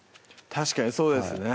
確かにそうですね